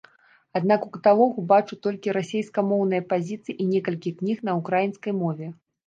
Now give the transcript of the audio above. Аднак у каталогу бачу толькі расейскамоўныя пазіцыі і некалькі кніг на ўкраінскай мове.